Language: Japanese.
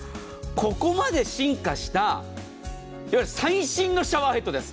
ここまで進化したいわゆる最新のシャワーヘッドです。